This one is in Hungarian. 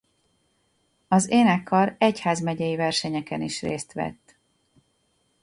Az énekkar egyházmegyei versenyeken is részt vett.